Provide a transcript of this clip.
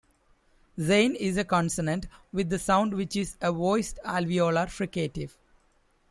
Zain is a consonant with the sound which is a voiced alveolar fricative.